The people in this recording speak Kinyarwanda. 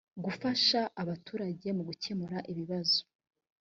gufasha abaturage mu gukemura ibibazo